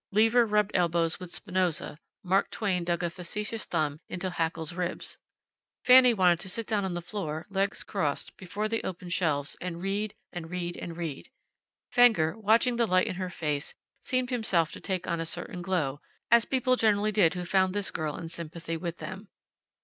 Lever rubbed elbows with Spinoza; Mark Twain dug a facetious thumb into Haeckel's ribs. Fanny wanted to sit down on the floor, legs crossed, before the open shelves, and read, and read, and read. Fenger, watching the light in her face, seemed himself to take on a certain glow, as people generally did who found this girl in sympathy with them.